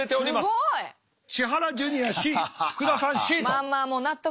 まあまあもう納得です。